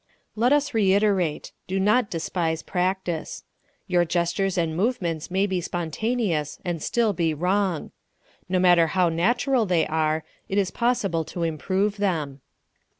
Let us reiterate, do not despise practise. Your gestures and movements may be spontaneous and still be wrong. No matter how natural they are, it is possible to improve them.